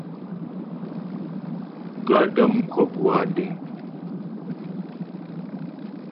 Gaə̌ də́ m kwə̂p wa deŋ.